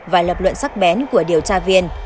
và lập luận sắc bén của điều tra viên